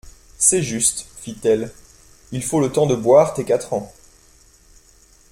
C'est juste, fit-elle, il faut le temps de boire tes quatre ans.